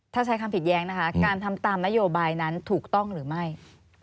ถ้าใช้คำผิดแย้งนะคะการทำตามนโยบายนั้นถูกต้องหรือไม่